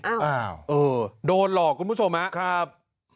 อ้าวเออโดนหลอกคุณผู้ชมครับ